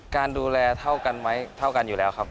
การดูแลเท่ากันไหมเท่ากันอยู่แล้วครับ